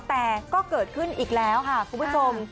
แต่ก็เกิดขึ้นอีกแล้วค่ะคุณผู้ชม